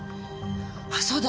あっそうだ！